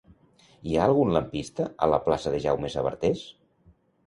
Hi ha algun lampista a la plaça de Jaume Sabartés?